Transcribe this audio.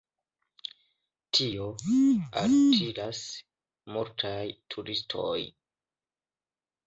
Tio altiras multajn turistojn.